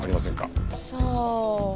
さあ。